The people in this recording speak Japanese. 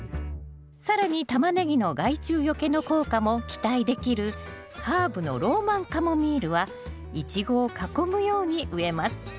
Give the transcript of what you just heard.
更にタマネギの害虫よけの効果も期待できるハーブのローマンカモミールはイチゴを囲むように植えます。